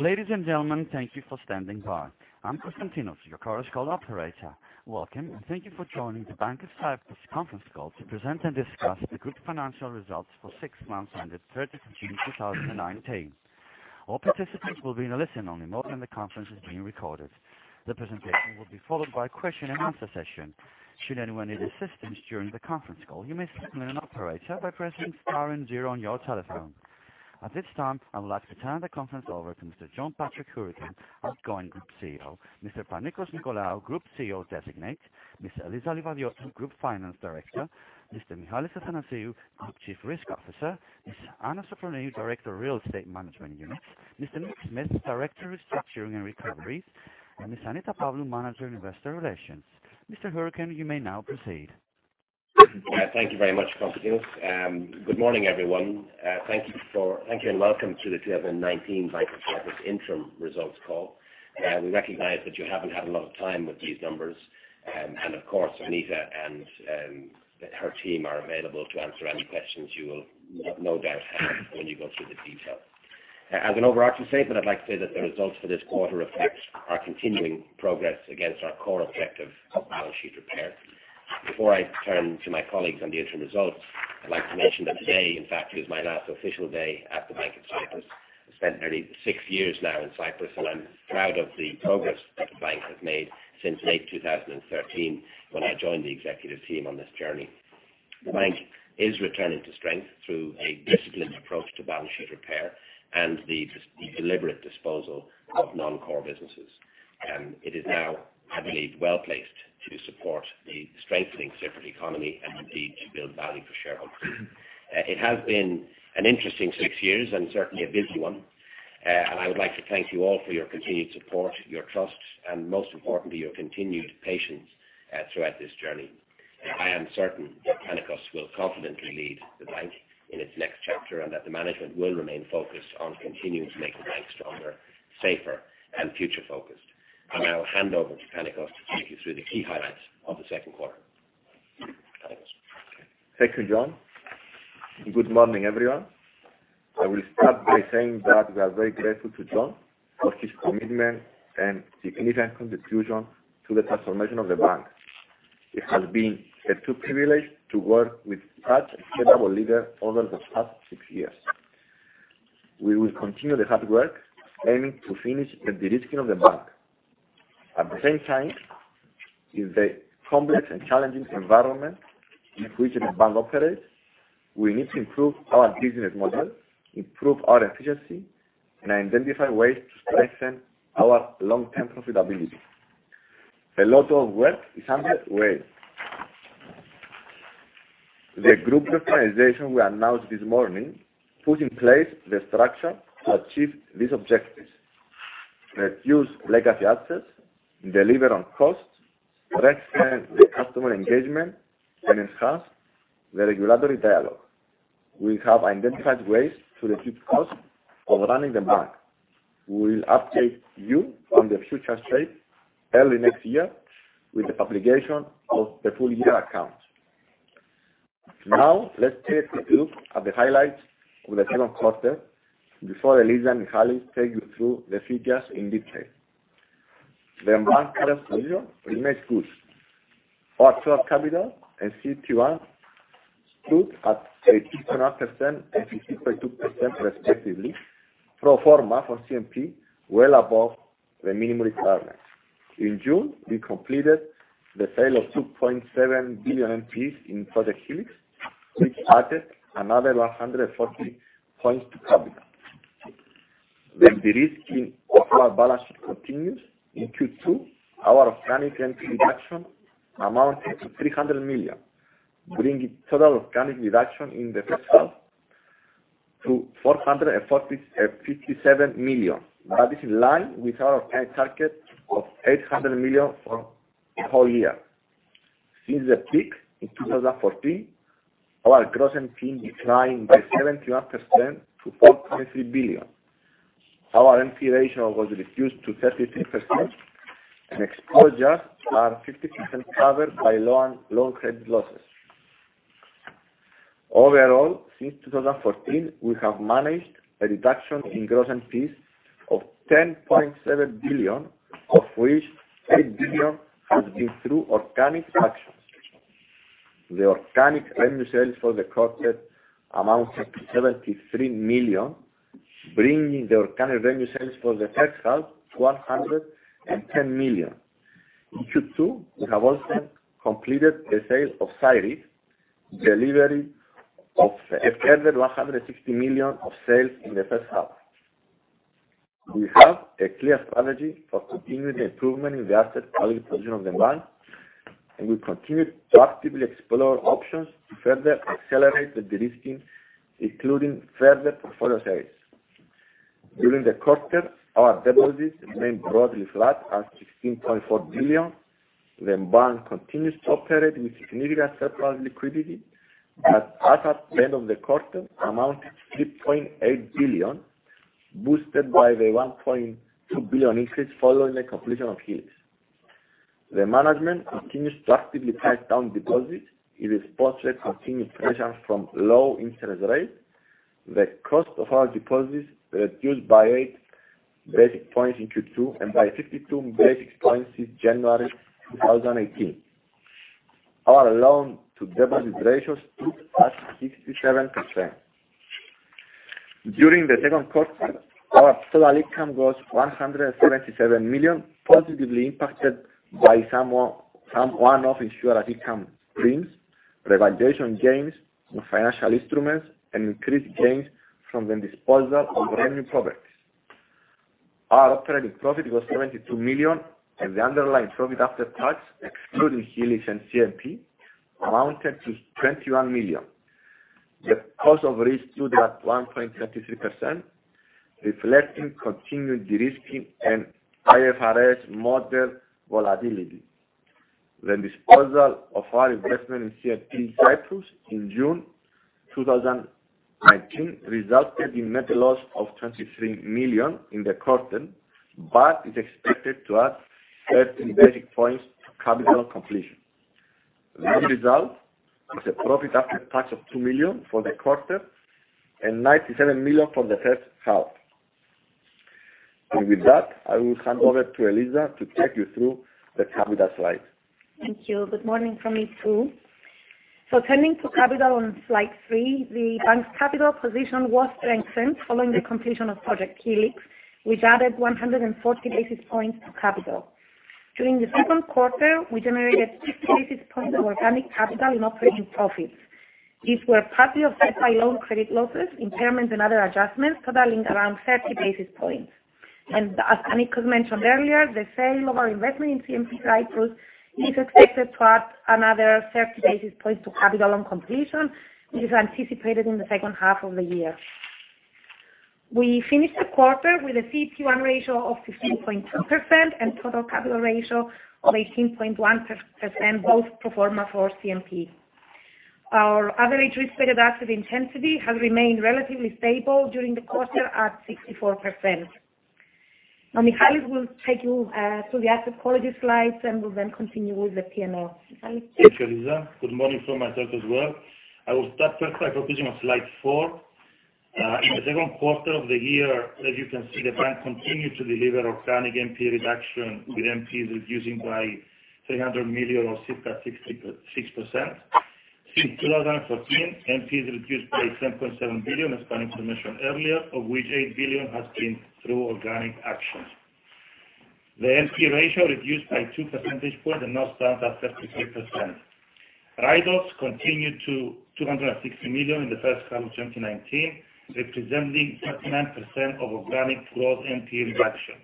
Ladies and gentlemen, thank you for standing by. I'm Constantinos, your conference call operator. Welcome. Thank you for joining the Bank of Cyprus conference call to present and discuss the group's financial results for six months ended 30 June 2019. All participants will be in a listen-only mode. The conference is being recorded. The presentation will be followed by a question-and-answer session. Should anyone need assistance during the conference call, you may signal an operator by pressing star and zero on your telephone. At this time, I would like to turn the conference over to Mr. John Patrick Hourican, outgoing Group CEO, Mr. Panicos Nicolaou, Group CEO Designate, Ms. Eliza Livadiotou, Group Finance Director, Mr. Michalis Athanasiou, Group Chief Risk Officer, Ms. Anna Sofroniou, Director of Real Estate Management Unit, Mr. Nick Smith, Director of Restructuring and Recoveries, and Ms. Annita Pavlou, Manager in Investor Relations. Mr. Hourican, you may now proceed. Thank you very much, Constantinos. Good morning, everyone. Thank you and welcome to the 2019 Bank of Cyprus interim results call. We recognize that you haven't had a lot of time with these numbers and of course, Annita and her team are available to answer any questions you will no doubt have when you go through the detail. As an overarching statement, I'd like to say that the results for this quarter reflect our continuing progress against our core objective of balance sheet repair. Before I turn to my colleagues on the interim results, I'd like to mention that today, in fact, is my last official day at the Bank of Cyprus. I spent nearly six years now in Cyprus, and I'm proud of the progress that the bank has made since late 2013 when I joined the executive team on this journey. The bank is returning to strength through a disciplined approach to balance sheet repair and the deliberate disposal of non-core businesses. It is now, I believe, well-placed to support the strengthening Cypriot economy and indeed to build value for shareholders. I would like to thank you all for your continued support, your trust, and most importantly, your continued patience throughout this journey. I am certain that Panicos will confidently lead the bank in its next chapter and that the management will remain focused on continuing to make the bank stronger, safer, and future-focused. I'll now hand over to Panicos to take you through the key highlights of the second quarter. Panicos? Thank you, John. Good morning, everyone. I will start by saying that we are very grateful to John for his commitment and significant contribution to the transformation of the Bank. It has been a true privilege to work with such an incredible leader over the past six years. We will continue the hard work aiming to finish the de-risking of the Bank. At the same time, in the complex and challenging environment in which the Bank operates, we need to improve our business model, improve our efficiency, and identify ways to strengthen our long-term profitability. A lot of work is underway. The Group Organization we announced this morning put in place the structure to achieve these objectives, reduce legacy assets, deliver on costs, strengthen the customer engagement, and enhance the regulatory dialogue. We have identified ways to reduce costs for running the Bank. Let's take a look at the highlights of the second quarter before Eliza and Michalis take you through the figures in detail. The bank's current position remains good. Our core capital and CET1 stood at 18.5% and 16.2% respectively, pro forma for CNP, well above the minimum requirements. In June, we completed the sale of 2.7 billion NPLs in Project Helix, which added another 140 points to capital. The de-risking of our balance sheet continues. In Q2, our organic NPL reduction amounted to 300 million, bringing total organic reduction in the first half to 457 million. That is in line with our target of 800 million for the whole year. Since the peak in 2014, our gross NPL declined by 71% to 4.3 billion. Our NPL ratio was reduced to 33%, and exposures are 50% covered by loan losses. Overall, since 2014, we have managed a reduction in gross NPLs of 10.7 billion, of which 6 billion has been through organic actions. The organic revenue sales for the quarter amounted to 73 million, bringing the organic revenue sales for the first half to 110 million. In Q2, we have also completed the sale of Cyprolia, delivering of a further 160 million of sales in the first half. We have a clear strategy for continuing the improvement in the asset quality position of the bank. We continue to actively explore options to further accelerate the de-risking, including further portfolio sales. During the quarter, our deposits remained broadly flat at 16.4 billion. The bank continues to operate with significant surplus liquidity that as at end of the quarter amounted to 3.8 billion, boosted by the 1.2 billion increase following the completion of Helix. The management continues to actively cut down deposits in response to continued pressures from low interest rates. The cost of our deposits reduced by 8 basic points in Q2 and by 52 basic points since January 2018. Our loan-to-deposit ratios stood at 67%. During the second quarter, our total income was 177 million, positively impacted by some one-off insurance income premiums, revaluation gains on financial instruments, and increased gains from the disposal of revenue products. Our operating profit was 72 million, and the underlying profit after tax, excluding Helix and CMP, amounted to 21 million. The cost of risk stood at 1.33%, reflecting continued de-risking and IFRS model volatility. The disposal of our investment in CNP Cyprus in June 2019 resulted in net loss of 23 million in the quarter, but is expected to add 30 basic points to capital completion. The net result is a profit after tax of 2 million for the quarter and 97 million for the first half. With that, I will hand over to Eliza to take you through the capital slides. Thank you. Good morning from me, too. Turning to capital on slide three, the bank's capital position was strengthened following the completion of Project Helix, which added 140 basis points to capital. During the second quarter, we generated 50 basis points of organic capital in operating profits. These were partly offset by loan credit losses, impairments, and other adjustments totaling around 30 basis points. As Panicos mentioned earlier, the sale of our investment in CNP Cyprus is expected to add another 30 basis points to capital on completion, which is anticipated in the second half of the year. We finished the quarter with a CET1 ratio of 15.2% and total capital ratio of 18.1%, both pro forma for CNP. Our average risk-weighted asset intensity has remained relatively stable during the quarter at 64%. Michalis will take you through the asset quality slides, and will then continue with the P&L. Michalis? Thank you, Eliza. Good morning from myself as well. I will start first by focusing on slide four. In the second quarter of the year, as you can see, the bank continued to deliver organic NP reduction, with NPs reducing by 300 million, or circa 6%. Since 2014, NPs reduced by 10.7 billion, as Panicos mentioned earlier, of which 8 billion has been through organic actions. The NP ratio reduced by two percentage points and now stands at 33%. Write-offs continued to 260 million in the first half of 2019, representing 39% of organic growth NP reduction.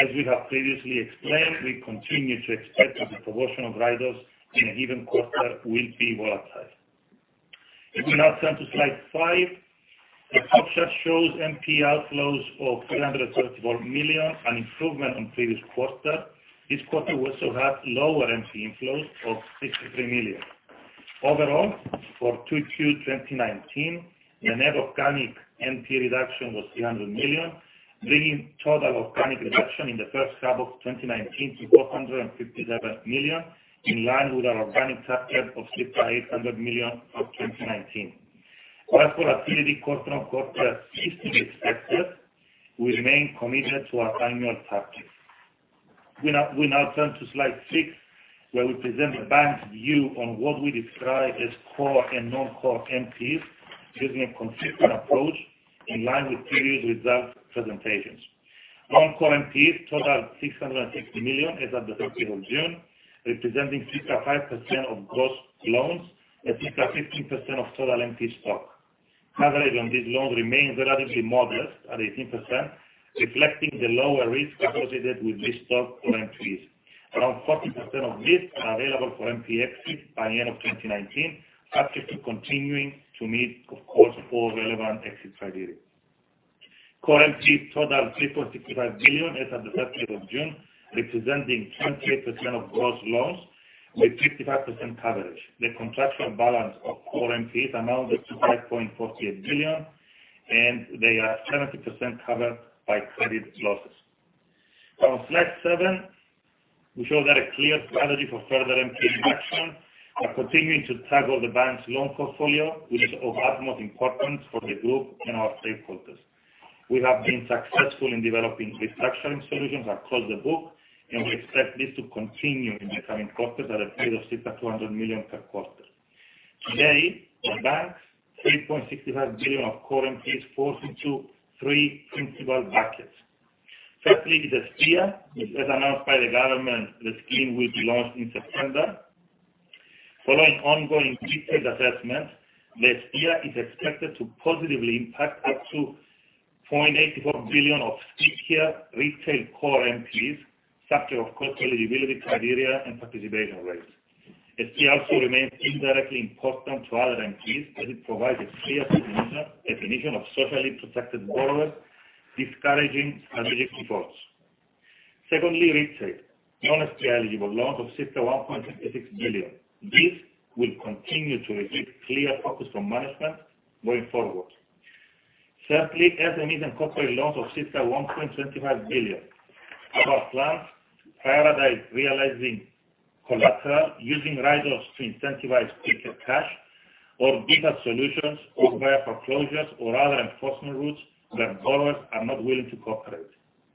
As we have previously explained, we continue to expect that the proportion of write-offs in an even quarter will be volatile. We now turn to slide five, which shows NP outflows of 334 million, an improvement on previous quarter. This quarter also had lower NP inflows of 63 million. Overall, for Q2 2019, the net organic NP reduction was 300 million, bringing total organic reduction in the first half of 2019 to 457 million, in line with our organic target of circa 800 million of 2019. A steady quarter on quarter is to be expected. We remain committed to our annual targets. We now turn to slide six, where we present the bank's view on what we describe as core and non-core NPs, using a consistent approach in line with previous results presentations. Non-core NPs total 660 million as of the 30th of June, representing 55% of gross loans and 55% of total NP stock. Coverage on these loans remains relatively modest, at 18%, reflecting the lower risk associated with this stock of NPs. Around 40% of this are available for NP exit by end of 2019, subject to continuing to meet, of course, all relevant exit criteria. Core NPs total 3.65 billion as of the 30th of June, representing 28% of gross loans with 55% coverage. The contractual balance of core NPs amounted to 5.48 billion. They are 70% covered by credit losses. On slide seven, we show that a clear strategy for further NP reduction are continuing to tackle the bank's loan portfolio, which is of utmost importance for the group and our stakeholders. We have been successful in developing restructuring solutions across the book. We expect this to continue in the coming quarters at a rate of circa 200 million per quarter. Today, the bank's 3.65 billion of core NPs fall into three principal buckets. Firstly, the Estia, which as announced by the government, the scheme will be launched in September. Following ongoing detailed assessments, the Estia is expected to positively impact up to 4.84 billion of Estia retail core NPLs, subject of course to eligibility criteria and participation rates. Estia also remains indirectly important to other NPLs as it provides a clear definition of socially protected borrowers, discouraging strategic defaults. Secondly, retail. Non-Estia eligible loans of circa EUR 1.6 billion. This will continue to receive clear focus from management moving forward. Certainly, SMEs and corporate loans of circa 1.25 billion. Our plan, prioritize realizing collateral using write-offs to incentivize quicker cash or give us solutions or via foreclosures or other enforcement routes where borrowers are not willing to cooperate.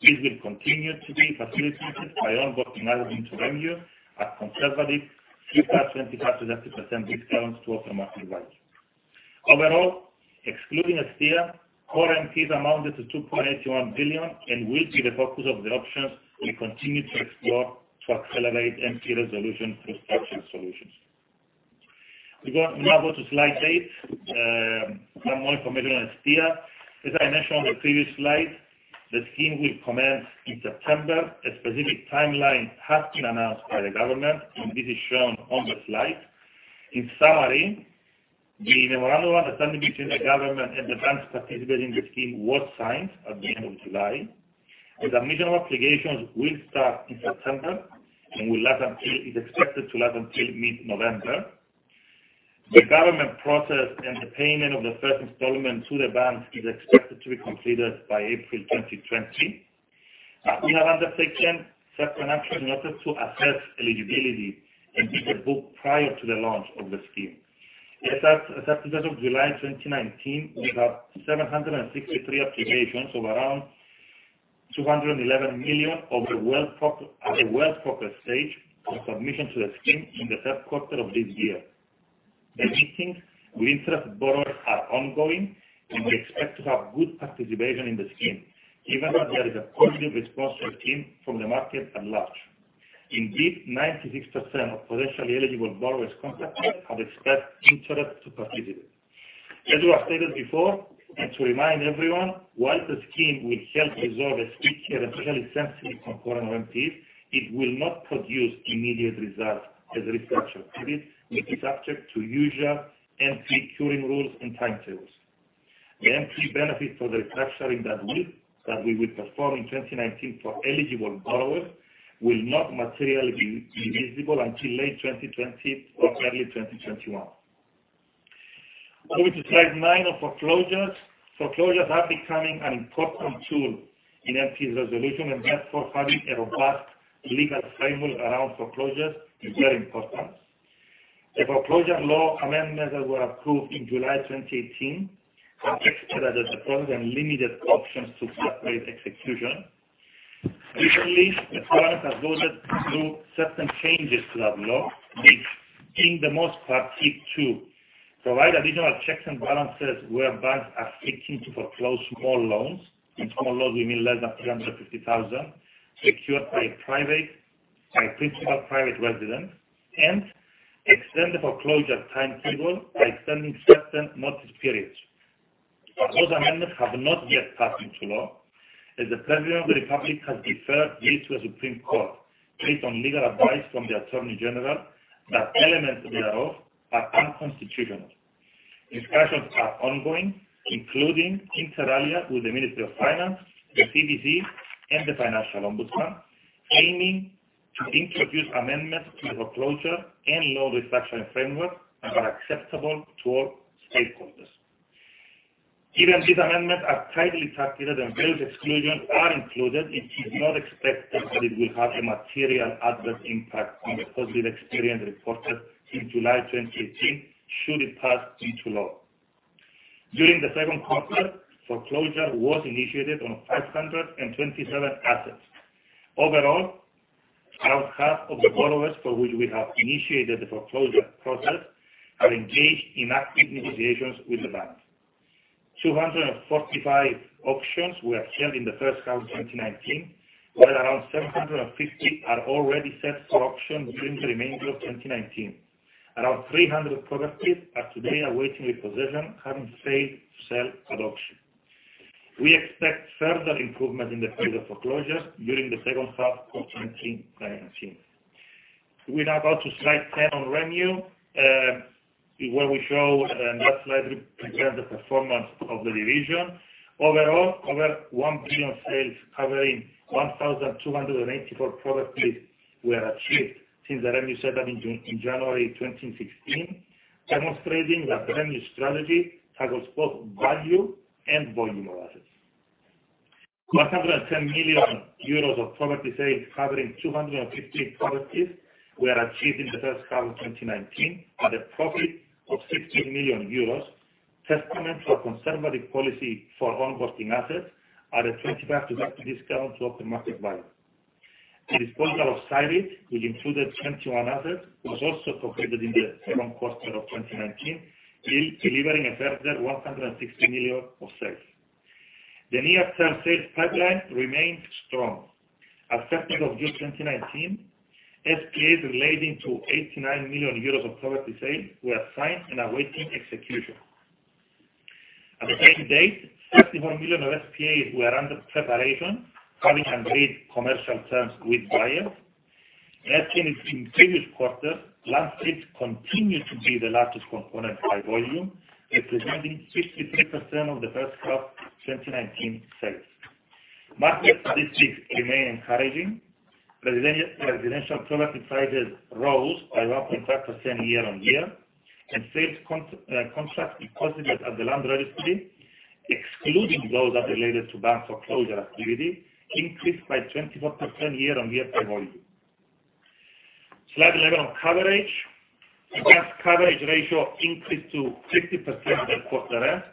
This will continue to be facilitated by onboarding assets into REMU at conservative 25%-30% discounts to open market value. Overall, excluding Estia, core NPEs amounted to 2.81 billion and will be the focus of the options we continue to explore to accelerate NPE resolution through structured solutions. We now go to slide eight. Some more information on Estia. As I mentioned on the previous slide, the scheme will commence in September. A specific timeline has been announced by the government, and this is shown on the slide. In summary, the memorandum of understanding between the government and the banks participating in the scheme was signed at the end of July, and submission of applications will start in September, and is expected to last until mid-November. The government process and the payment of the first installment to the banks is expected to be completed by April 2020. We have undertaken certain actions in order to assess eligibility in the book prior to the launch of the scheme. As at 30th of July 2019, we have 763 applications of around 211 million at the well-progressed stage for submission to the scheme in the third quarter of this year. The meetings with interested borrowers are ongoing. We expect to have good participation in the scheme, given that there is a positive response to the scheme from the market at large. Indeed, 96% of potentially eligible borrowers contacted have expressed interest to participate. As was stated before, to remind everyone, while the scheme will help resolve a sticky and politically sensitive component of NPEs, it will not produce immediate results as a restructure activity, is subject to usual NPE curing rules and timetables. The NPE benefit for the restructuring that we will perform in 2019 for eligible borrowers will not materially be visible until late 2020 or early 2021. Going to slide nine on foreclosures. Foreclosures are becoming an important tool in NPE resolution. Therefore, having a robust legal framework around foreclosures is very important. The foreclosure law amendments that were approved in July 2018 restricted the process and limited options to accelerate execution. Recently, the parliament has voted to do certain changes to that law, being the most part seek to provide additional checks and balances where banks are seeking to foreclose small loans. In small loans, we mean less than 350,000, secured by principal private residence, and extend the foreclosure timetable by extending certain notice periods. Those amendments have not yet passed into law, as the President of the Republic has deferred this to a Supreme Court based on legal advice from the attorney general that elements thereof are unconstitutional. Discussions are ongoing, including inter alia with the Ministry of Finance, the CBC, and the financial ombudsman, aiming to introduce amendments to the foreclosure and law restructuring framework that are acceptable to all stakeholders. Given these amendments are tightly targeted and various exclusions are included, it is not expected that it will have a material adverse impact on the positive experience reported in July 2018, should it pass into law. During the second quarter, foreclosure was initiated on 527 assets. Overall, around half of the borrowers for which we have initiated the foreclosure process are engaged in active negotiations with the bank. 245 auctions were held in the first half 2019, where around 750 are already set for auction during the remainder of 2019. Around 300 properties are today awaiting repossession, having failed to sell at auction. We expect further improvement in the pace of foreclosures during the second half of 2019. We now go to slide 10 on REMU, where we show last slide represents the performance of the division. Overall, over 1 billion sales covering 1,284 properties were achieved since the REMU set up in January 2016, demonstrating that the REMU strategy targets both value and volume of assets. 110 million euros of property sales covering 215 properties were achieved in the first half of 2019 at a profit of 16 million euros, testament to our conservative policy for onboarding assets at a 25%-30% discount to open market value. The disposal of Cyreit, which included 21 assets, was also completed in the second quarter of 2019, delivering a further 160 million of sales. The near-term sales pipeline remains strong. As of 30th of June 2019, SPAs relating to 89 million euros of property sales were signed and awaiting execution. At the same date, 31 million of SPAs were under preparation, having agreed commercial terms with buyers. As seen in previous quarters, land deeds continue to be the largest component by volume, representing 53% of the first half 2019 sales. Market statistics remain encouraging. Residential property prices rose by 1.5% year-on-year. Sales contracts deposited at the Land Registry, excluding those that related to bank foreclosure activity, increased by 24% year-on-year by volume. Slide 11, coverage. Advanced coverage ratio increased to 50% at quarter end,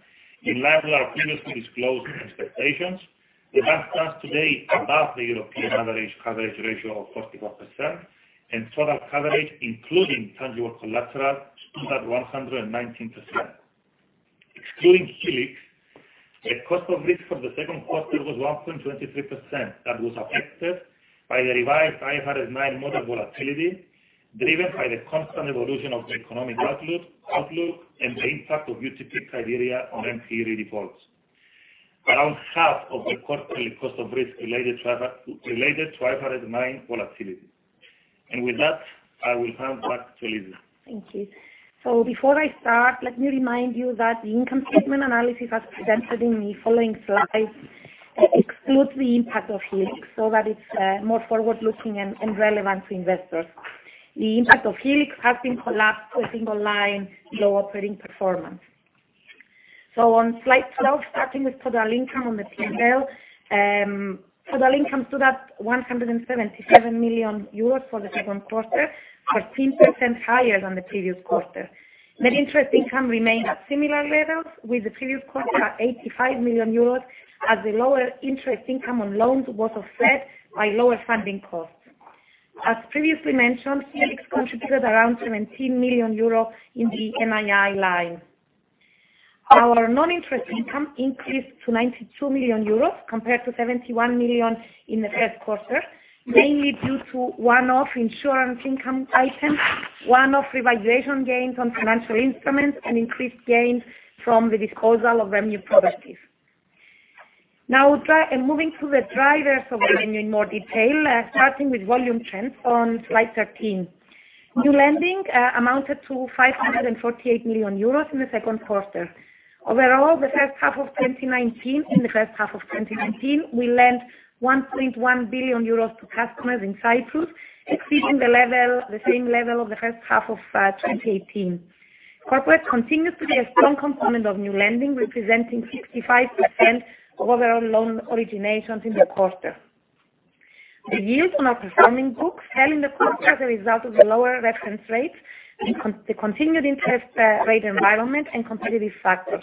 in line with our previously disclosed expectations. The bank stands today above the European average coverage ratio of 44%. Total coverage, including tangible collateral, stood at 119%. Excluding Helix, the cost of risk for the second quarter was 1.23%. That was affected by the revised IRM model volatility, driven by the constant evolution of the economic outlook and the impact of UTP criteria on NPE defaults. Around half of the quarterly cost of risk related to IRM volatility. With that, I will hand back to Eliza. Thank you. Before I start, let me remind you that the income statement analysis as presented in the following slides excludes the impact of Helix so that it's more forward-looking and relevant to investors. The impact of Helix has been collapsed to a single line, "lower operating performance." On slide 12, starting with total income on the P&L. Total income stood at 177 million euros for the second quarter, 14% higher than the previous quarter. Net interest income remained at similar levels, with the previous quarter at 85 million euros, as the lower interest income on loans was offset by lower funding costs. As previously mentioned, Helix contributed around 17 million euro in the NII line. Our non-interest income increased to 92 million euros compared to 71 million in the first quarter, mainly due to one-off insurance income items, one-off revaluation gains on financial instruments, and increased gains from the disposal of our new productive. Moving to the drivers of revenue in more detail, starting with volume trends on slide 13. New lending amounted to 548 million euros in the second quarter. Overall, in the first half of 2019, we lent 1.1 billion euros to customers in Cyprus, exceeding the same level of the first half of 2018. Corporate continues to be a strong component of new lending, representing 65% of overall loan originations in the quarter. The yields on our performing books fell in the quarter as a result of the lower reference rates, the continued interest rate environment, and competitive factors.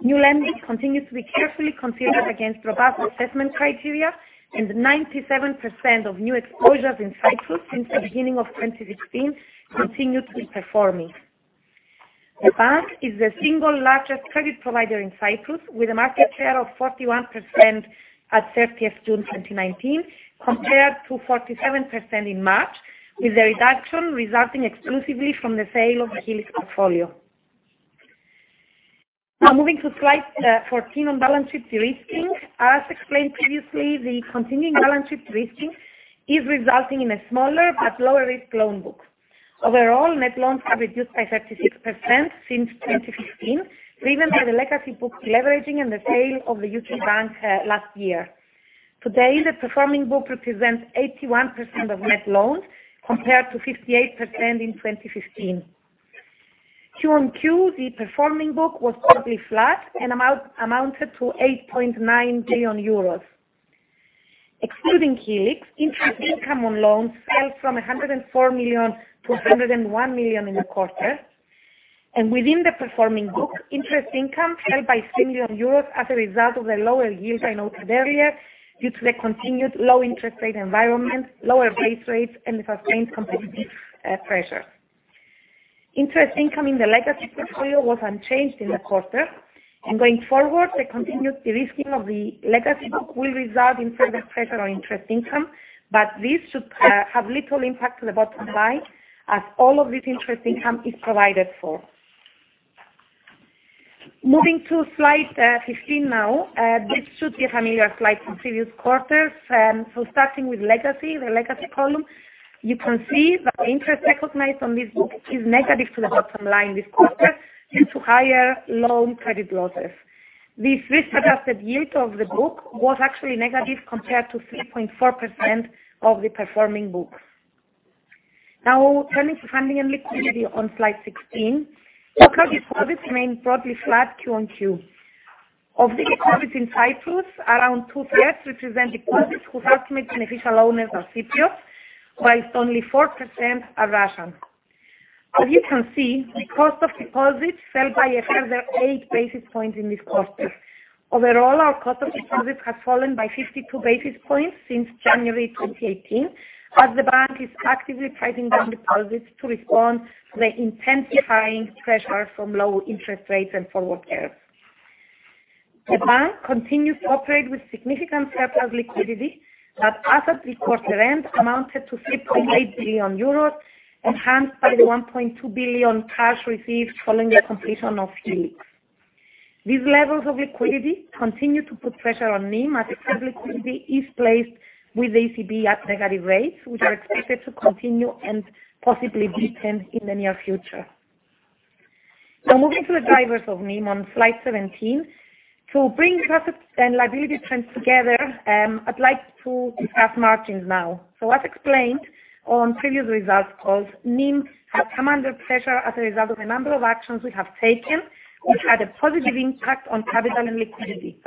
New lending continues to be carefully considered against robust assessment criteria, 97% of new exposures in Cyprus since the beginning of 2016 continued to be performing. The bank is the single largest credit provider in Cyprus, with a market share of 41% at 30th June 2019, compared to 47% in March, with the reduction resulting exclusively from the sale of the Helix portfolio. Moving to slide 14 on balance sheet de-risking. As explained previously, the continuing balance sheet de-risking is resulting in a smaller but lower-risk loan book. Overall, net loans have reduced by 36% since 2015, driven by the legacy book leveraging and the sale of the U.K. bank last year. Today, the performing book represents 81% of net loans, compared to 58% in 2015. Q on Q, the performing book was totally flat and amounted to 8.9 billion euros. Excluding Helix, interest income on loans fell from 104 million to 101 million in the quarter. Within the performing book, interest income fell by 3 million euros as a result of the lower yields I noted earlier due to the continued low interest rate environment, lower base rates, and the sustained competitive pressure. Interest income in the legacy portfolio was unchanged in the quarter. Going forward, the continued de-risking of the legacy book will result in further pressure on interest income, but this should have little impact to the bottom line, as all of this interest income is provided for. Moving to slide 15 now. This should be a familiar slide from previous quarters. Starting with legacy, the legacy column, you can see that the interest recognized on this book is negative to the bottom line this quarter due to higher loan credit losses. The risk-adjusted yield of the book was actually negative compared to 3.4% of the performing book. Now turning to funding and liquidity on slide 16. Deposit service remained broadly flat Q on Q. Of the deposits in Cyprus, around two-thirds represent deposits whose ultimate beneficial owners are Cypriots, whilst only 4% are Russian. As you can see, the cost of deposits fell by a further eight basis points in this quarter. Overall, our cost of deposits has fallen by 52 basis points since January 2018, as the bank is actively pricing down deposits to respond to the intensifying pressure from low interest rates and forward curves. The bank continues to operate with significant surplus liquidity, that as at the quarter end amounted to 3.8 billion euros, enhanced by the 1.2 billion cash received following the completion of Helix. These levels of liquidity continue to put pressure on NIM as excess liquidity is placed with ECB at negative rates, which are expected to continue and possibly deepen in the near future. Moving to the drivers of NIM on slide 17. To bring assets and liability trends together, I'd like to discuss margins now. As explained on previous results calls, NIM has come under pressure as a result of a number of actions we have taken, which had a positive impact on capital and liquidity.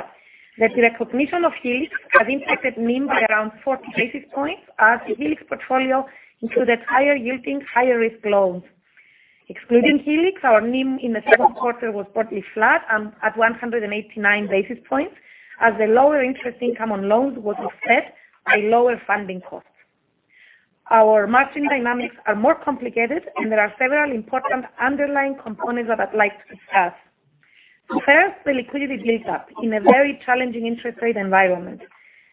The recognition of Helix has impacted NIM by around 40 basis points, as the Helix portfolio included higher yielding, higher risk loans. Excluding Helix, our NIM in the second quarter was partly flat and at 189 basis points, as the lower interest income on loans was offset by lower funding costs. Our margin dynamics are more complicated, and there are several important underlying components that I'd like to discuss. First, the liquidity build-up in a very challenging interest rate environment.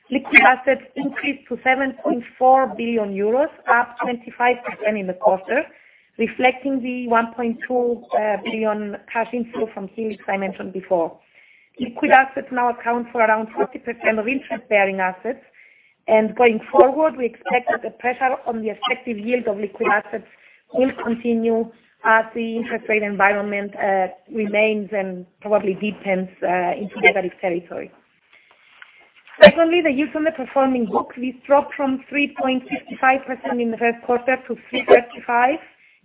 Liquid assets increased to 7.4 billion euros, up 25% in the quarter, reflecting the 1.2 billion cash inflow from Helix I mentioned before. Liquid assets now account for around 40% of interest-bearing assets, and going forward, we expect that the pressure on the effective yield of liquid assets will continue as the interest rate environment remains and probably deepens into negative territory. Secondly, the yield on the performing book, this dropped from 3.55% in the first quarter to 3.35%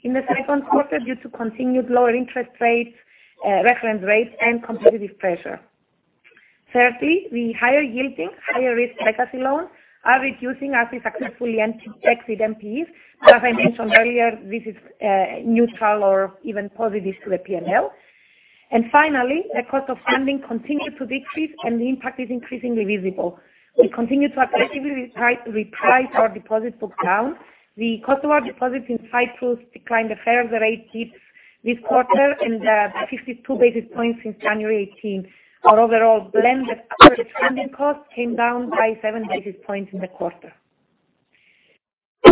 in the second quarter due to continued lower interest rates, reference rates, and competitive pressure. Thirdly, the higher yielding, higher risk legacy loans are reducing as we successfully exit NPEs. As I mentioned earlier, this is neutral or even positive to the P&L. Finally, the cost of funding continued to decrease and the impact is increasingly visible. We continue to aggressively reprice our deposit book down. The cost of our deposits in Cyprus declined a further 18 this quarter and 52 basis points since January 2018. Our overall blended average funding cost came down by seven basis points in the quarter.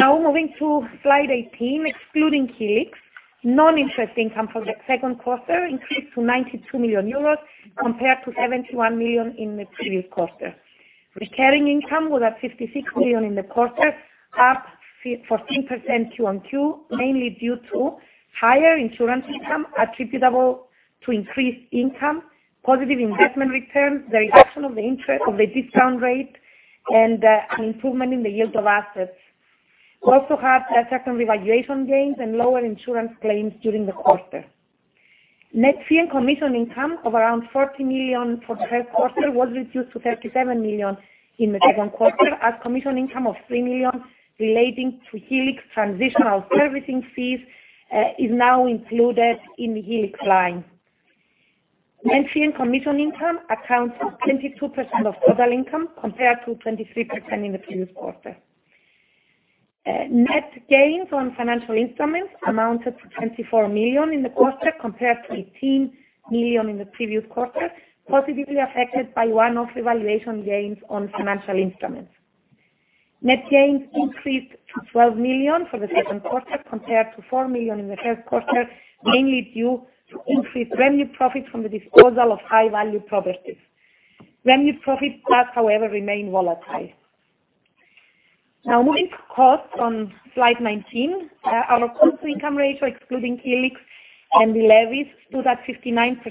Moving to slide 18, excluding Helix, non-interest income for the second quarter increased to 92 million euros compared to 71 million in the previous quarter. Recurring income was at 56 million in the quarter, up 14% QoQ, mainly due to higher insurance income attributable to increased income, positive investment returns, the reduction of the discount rate, and an improvement in the yield of assets. We also have tax revaluation gains and lower insurance claims during the quarter. Net fee and commission income of around 40 million for the first quarter was reduced to 37 million in the second quarter as commission income of 3 million relating to Helix transitional servicing fees is now included in the Helix line. Net fee and commission income accounts for 22% of total income, compared to 23% in the previous quarter. Net gains on financial instruments amounted to 24 million in the quarter, compared to 18 million in the previous quarter, positively affected by one-off revaluation gains on financial instruments. Net gains increased to 12 million for the second quarter, compared to 4 million in the first quarter, mainly due to increased revenue profit from the disposal of high-value properties. Revenue profit does, however, remain volatile. Now moving to costs on slide 19. Our cost-to-income ratio, excluding Helix and the levies, stood at 59%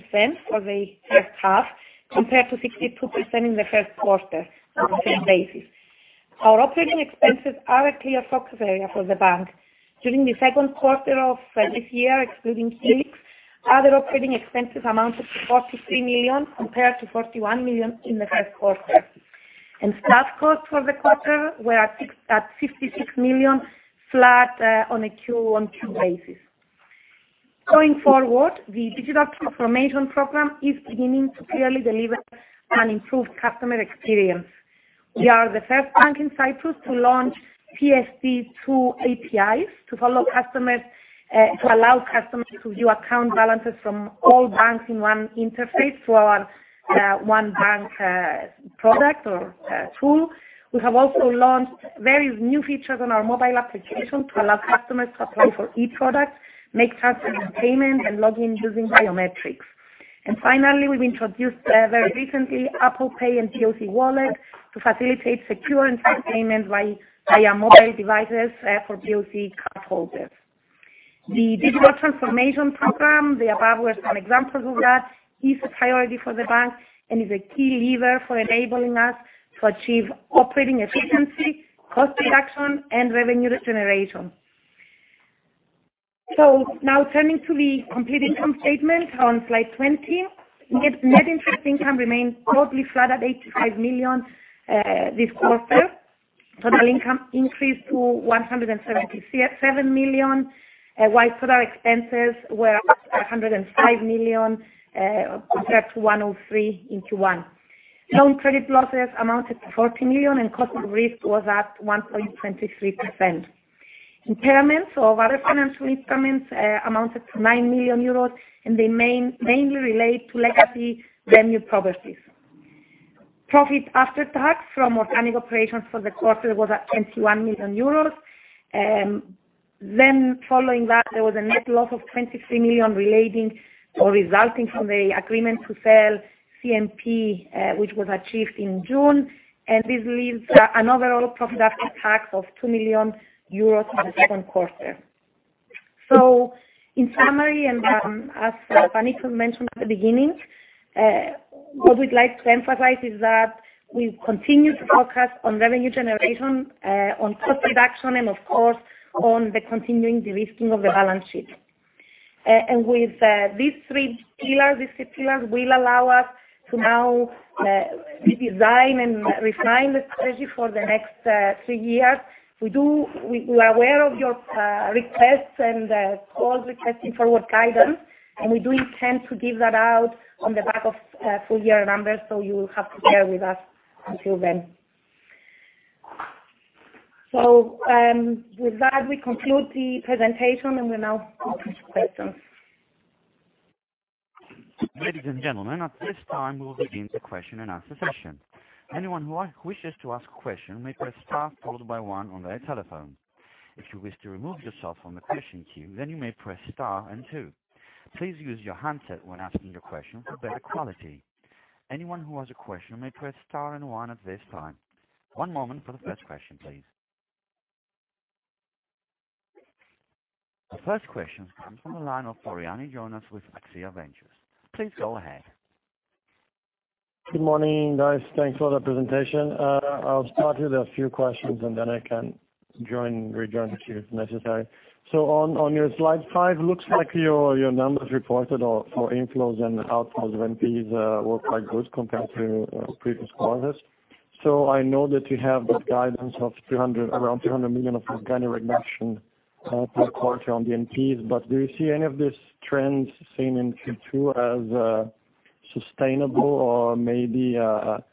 for the first half, compared to 62% in the first quarter on the same basis. Our operating expenses are a clear focus area for the bank. During the second quarter of this year, excluding Helix, other operating expenses amounted to 43 million, compared to 41 million in the first quarter, and staff costs for the quarter were at 56 million flat on a QoQ basis. Going forward, the digital transformation program is beginning to clearly deliver an improved customer experience. We are the first bank in Cyprus to launch PSD2 APIs to allow customers to view account balances from all banks in one interface through our 1bank product or tool. We have also launched various new features on our mobile application to allow customers to apply for e-products, make transfers and payments, and log in using biometrics. Finally, we've introduced very recently Apple Pay and BoC Wallet to facilitate secure and fast payments via mobile devices for BoC cardholders. The digital transformation program, the above were some examples of that, is a priority for the bank and is a key lever for enabling us to achieve operating efficiency, cost reduction, and revenue generation. Now turning to the complete income statement on slide 20. Net interest income remains broadly flat at 85 million this quarter. Total income increased to 177 million, while total expenses were 105 million, compared to 103 in Q1. Loan credit losses amounted to 14 million, and cost of risk was at 1.23%. Impairments of other financial instruments amounted to 9 million euros, and they mainly relate to legacy revenue properties. Profit after tax from organic operations for the quarter was at 21 million euros. Following that, there was a net loss of 23 million relating or resulting from the agreement to sell CMP, which was achieved in June, and this leaves an overall profit after tax of 2 million euros for the second quarter. In summary, as Panikos mentioned at the beginning, what we'd like to emphasize is that we continue to focus on revenue generation, on cost reduction, and of course, on the continuing de-risking of the balance sheet. With these three pillars will allow us to now redesign and refine the strategy for the next three years. We are aware of your requests and calls requesting forward guidance, and we do intend to give that out on the back of full year numbers, so you will have to bear with us until then. With that, we conclude the presentation and we'll now open to questions. Ladies and gentlemen, at this time, we'll begin the question and answer session. Anyone who wishes to ask a question may press star followed by one on their telephone. If you wish to remove yourself from the question queue, you may press star and two. Please use your handset when asking your question for better quality. Anyone who has a question may press star and one at this time. One moment for the first question, please. The first question comes from the line of Floriani Jonas with Axia Ventures. Please go ahead. Good morning, guys. Thanks for the presentation. I'll start with a few questions, and then I can rejoin the queue if necessary. On your slide five, looks like your numbers reported for inflows and outflows of NPs were quite good compared to previous quarters. I know that you have that guidance of around 300 million of organic reduction per quarter on the NPs, but do you see any of these trends seen in Q2 as sustainable or maybe a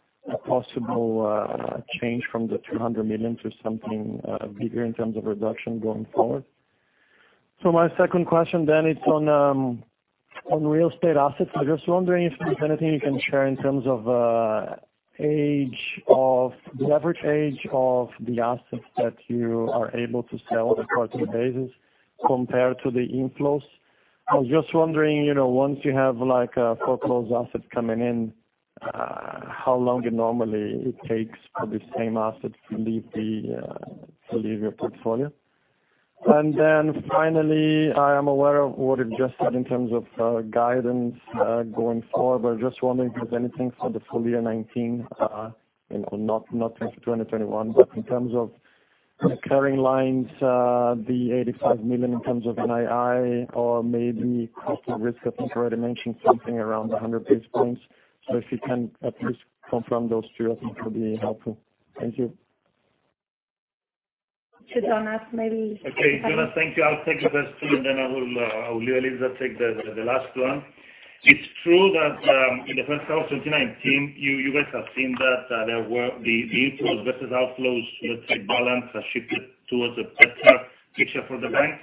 possible change from the 300 million to something bigger in terms of reduction going forward? My second question then, it's on real estate assets. I'm just wondering if there's anything you can share in terms of the average age of the assets that you are able to sell on a quarterly basis compared to the inflows. I was just wondering, once you have foreclosed assets coming in, how long it normally takes for the same asset to leave your portfolio. Finally, I am aware of what you just said in terms of guidance going forward, but just wondering if there's anything for the full year 2019, not 2021, but in terms of recurring lines, the 85 million in terms of NII or maybe cost of risk. I think you already mentioned something around 100 basis points. If you can at least confirm those two, I think it would be helpful. Thank you. To Jonas, maybe Panicos. Okay, Jonas, thank you. I'll take the first two, and then I will let Eliza take the last one. It's true that in the first half of 2019, you guys have seen that the inflows versus outflows to the trade balance has shifted towards a better picture for the bank.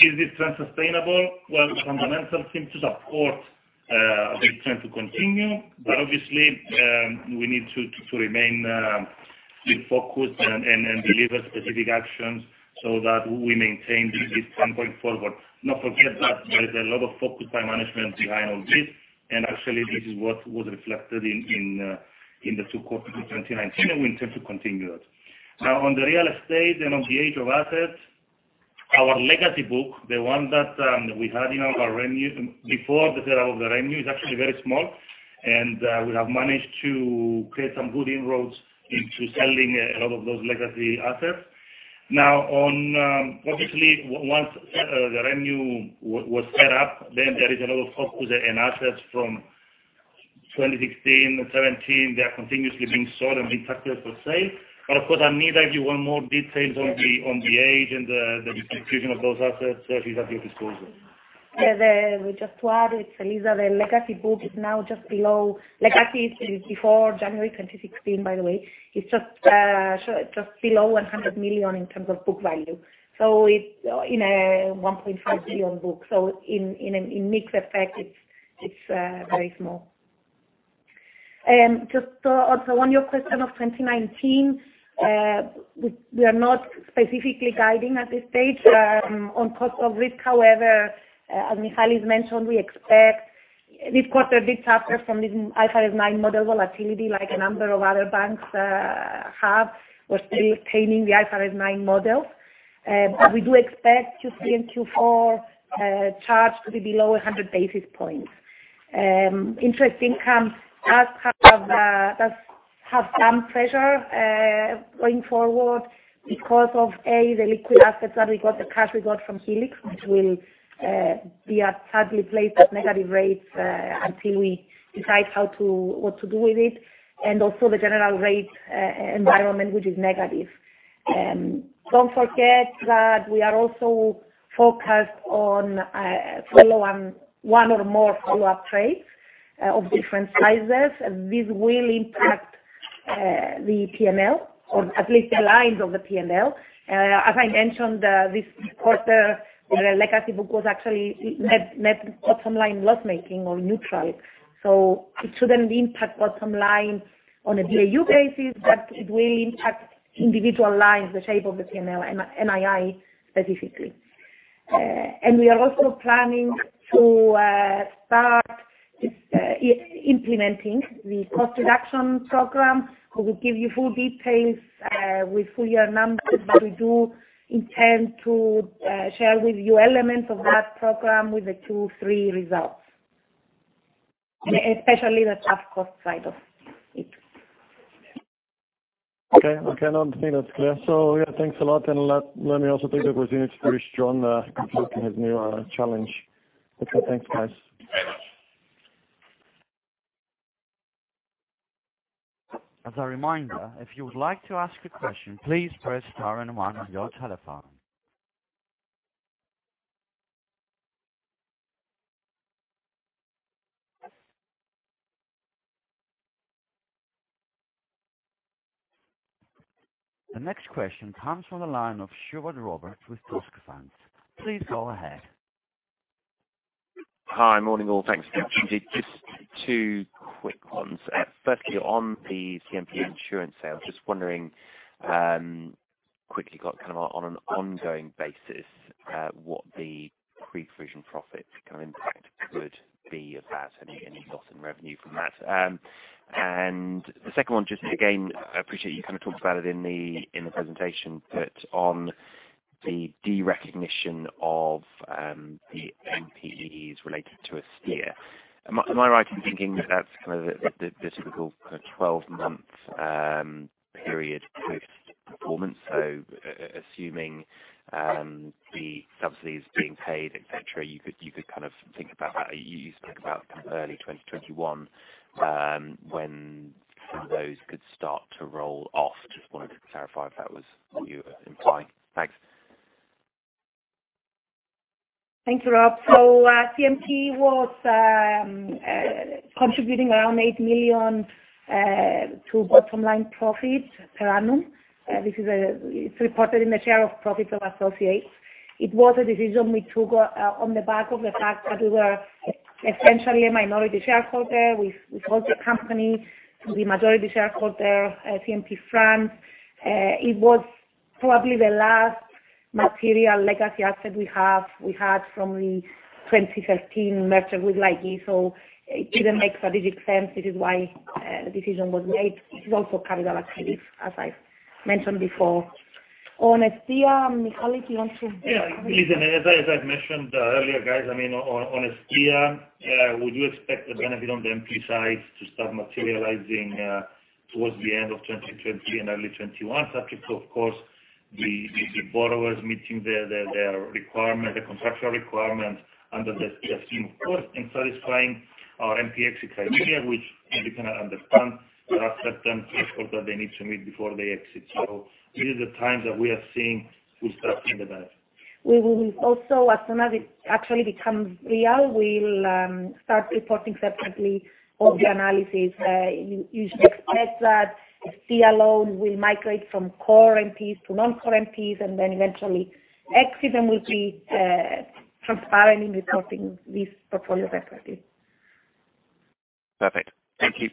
Is this trend sustainable? Well, the fundamentals seem to support this trend to continue. Obviously, we need to remain focused and deliver specific actions so that we maintain this trend going forward. Not forget that there is a lot of focus by management behind all this, and actually this is what was reflected in the two quarters of 2019, and we intend to continue that. On the real estate and on the age of assets, our legacy book, the one that we had before the set up of the REMU, is actually very small. We have managed to create some good inroads into selling a lot of those legacy assets. Obviously, once the REMU was set up, there is a lot of focus and assets from 2016 and 2017, they are continuously being sold and being tackled for sale. Of course, Amira, if you want more details on the age and the distribution of those assets, she's at your disposal. Yeah, just to add, it's Eliza, the legacy book is now just below, legacy is before January 2016, by the way. It's just below 100 million in terms of book value. It's in a 1.5 billion book. In mixed effect, it's very small. Also on your question of 2019, we are not specifically guiding at this stage. On cost of risk however, as Michalis mentioned, we expect this quarter to be tougher from the IFRS 9 model volatility like a number of other banks have or still obtaining the IFRS 9 model. We do expect Q3 and Q4 charge to be below 100 basis points. Interest income does have some pressure going forward because of A, the liquid assets that we got, the cash we got from Helix, which will be sadly placed at negative rates until we decide what to do with it. Also the general rate environment, which is negative. Don't forget that we are also focused on one or more follow-up trades of different sizes. This will impact the P&L or at least the lines of the P&L. As I mentioned, this quarter, the legacy book was actually net bottom line loss-making or neutral. It shouldn't impact bottom line on a BAU basis, but it will impact individual lines, the shape of the P&L, NII specifically. We are also planning to start implementing the cost reduction program. We will give you full details with full year numbers, but we do intend to share with you elements of that program with the Q3 results, especially the tough cost side of it. Okay. On to me, that's clear. Yeah, thanks a lot. Let me also thank the presentation. It is very strong, good luck in his new challenge. Okay. Thanks, guys. As a reminder, if you would like to ask a question, please press star and one on your telephone. The next question comes from the line of Sheward Robert with Toscafund. Please go ahead. Hi. Morning, all. Thanks. Just two quick ones. Firstly, on the CMP insurance sale, just wondering, quickly kind of on an ongoing basis what the pre-provision profit kind of impact could be of that, any loss in revenue from that. The second one, just again, appreciate you kind of talked about it in the presentation, but on the derecognition of the NPEs related to Estia. Am I right in thinking that's kind of the typical 12-month period post-performance? Assuming the subsidy is being paid, et cetera, you could kind of think about that. You spoke about early 2021, when some of those could start to roll off. Just wanted to clarify if that was what you were implying. Thanks. Thanks, Rob. CNP was contributing around 8 million to bottom line profit per annum. It's reported in the share of profits of associates. It was a decision we took on the back of the fact that we were essentially a minority shareholder. We sold the company to the majority shareholder, CNP France. It was probably the last material legacy asset we had from the 2013 merger with Laiki, so it didn't make strategic sense. It is why the decision was made. It is also carried out as relief, as I've mentioned before. On Estia, Michalis, you want to- Listen, as I've mentioned earlier, guys, on Estia, we do expect the benefit on the MP side to start materializing towards the end of 2020 and early 2021, subject to, of course, the borrowers meeting their requirement, the contractual requirement under the PSTN, of course, and satisfying our MP exit criteria, which as you can understand, there are certain criteria that they need to meet before they exit. This is the time that we start seeing the benefit. We will also, as soon as it actually becomes real, we'll start reporting separately all the analysis. You should expect that Estia loan will migrate from core NPEs to non-core NPEs, and then eventually exit, and we'll be transparent in reporting this portfolio separately. Perfect. Thank you.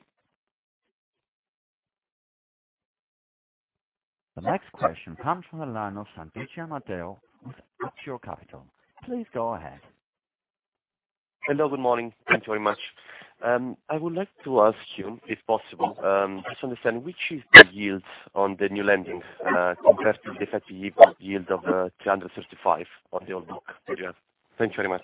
The next question comes from the line of Santiago Mateo with Actua Capital. Please go ahead. Hello. Good morning. Thanks very much. I would like to ask you, if possible, just to understand, which is the yields on the new lending compared to the 50 yield of 365 on the old book that you have? Thank you very much.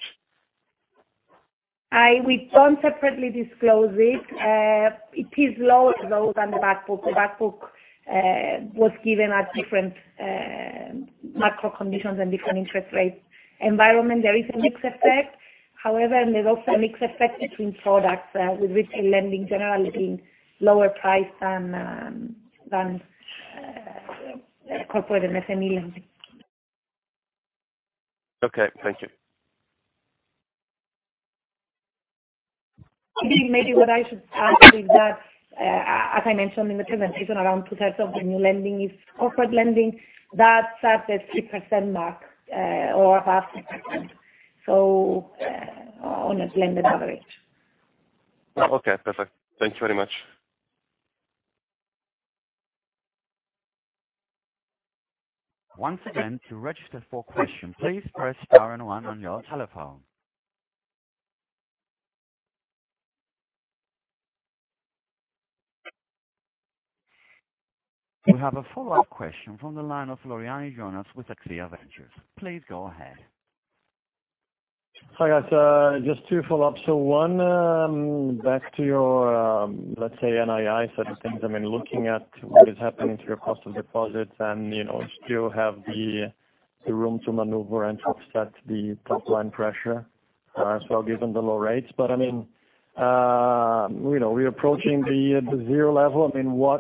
We don't separately disclose it. It is lower, though, than the back book. The back book was given at different macro conditions and different interest rates environment. There is a mix effect, however, and there's also a mix effect between products, with retail lending generally being lower priced than corporate and SME lending. Okay. Thank you. Maybe what I should add is that, as I mentioned in the presentation, around two-thirds of the new lending is corporate lending. That is at the 3% mark, or above 3%, on a blended average. Okay. Perfect. Thank you very much. Once again, to register for question, please press star and one on your telephone. We have a follow-up question from the line of Jonas Floriani with Axia Ventures. Please go ahead. Hi, guys. Just two follow-ups. One, back to your, let's say NII side of things. I mean, looking at what is happening to your cost of deposits and still have the room to maneuver and to offset the top-line pressure as well, given the low rates. I mean, we're approaching the zero level.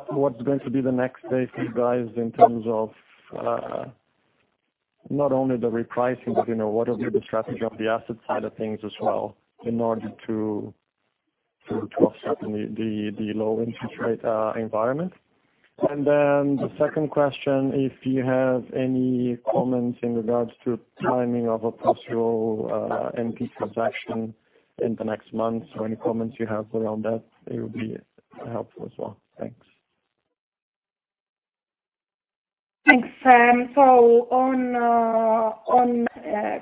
What's going to be the next phase for you guys in terms of not only the repricing, but what will be the strategy on the asset side of things as well in order to offset the low interest rate environment? The second question, if you have any comments in regards to timing of a potential NP transaction in the next months or any comments you have around that, it would be helpful as well. Thanks. Thanks. On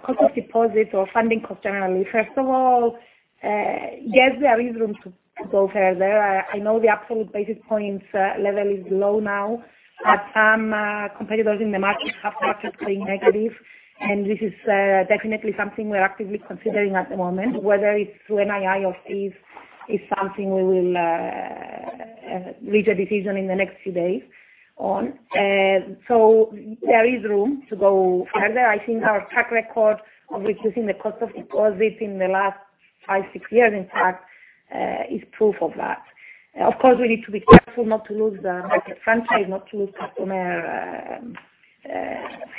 cost of deposits or funding costs generally, first of all, yes, there is room to go further. I know the absolute basis points level is low now, but some competitors in the market have started going negative. This is definitely something we're actively considering at the moment, whether it's through NII or fees is something we will reach a decision in the next few days on. There is room to go further. I think our track record of reducing the cost of deposits in the last five, six years, in fact, is proof of that. Of course, we need to be careful not to lose the market franchise, not to lose customer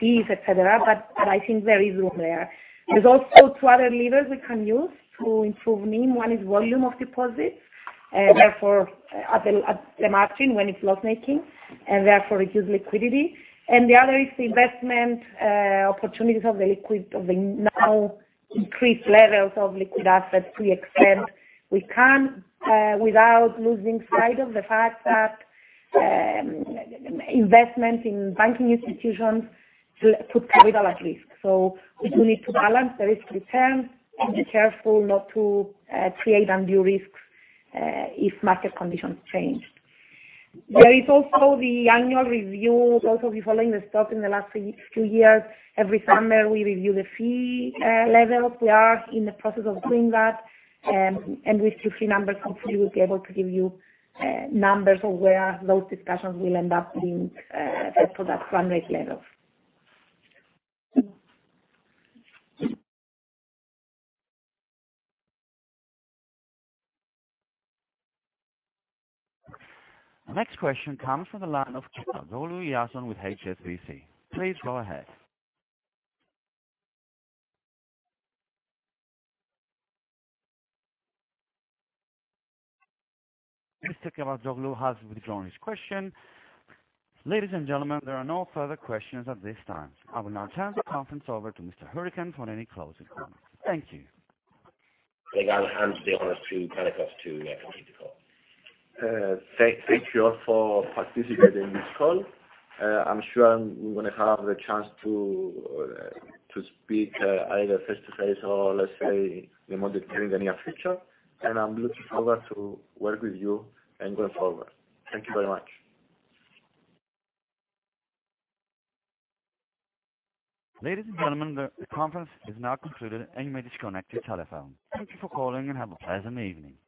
fees, et cetera. I think there is room there. There's also two other levers we can use to improve NIM. One is volume of deposits, therefore at the margin when it's loss-making, and therefore reduce liquidity. The other is the investment opportunities of the now increased levels of liquid assets we extend. We can't, without losing sight of the fact that investment in banking institutions put capital at risk. We do need to balance the risk return and be careful not to create undue risks if market conditions change. There is also the annual review. Those of you following the stock in the last two years, every summer we review the fee levels. We are in the process of doing that, and with few fee numbers, hopefully, we'll be able to give you numbers of where those discussions will end up being set for that fund rate levels. The next question comes from the line of Kevork Ozarslan with HSBC. Please go ahead. Mr. Kevork Ozarslan has withdrawn his question. Ladies and gentlemen, there are no further questions at this time. I will now turn the conference over to Mr. Hourican for any closing comments. Thank you. I'll hand the honors to Panicos to conclude the call. Thank you all for participating in this call. I'm sure we're going to have the chance to speak either face-to-face or, let's say, remotely in the near future, and I'm looking forward to work with you and going forward. Thank you very much. Ladies and gentlemen, the conference is now concluded, and you may disconnect your telephone. Thank you for calling and have a pleasant evening.